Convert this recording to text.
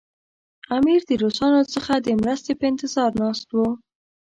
امیر د روسانو څخه د مرستې په انتظار ناست وو.